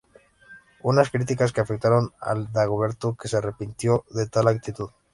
Unas críticas que afectaron a Dagoberto que se arrepintió de tal actitud.